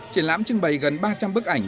triển lãm trưng bày gần ba trăm linh bức ảnh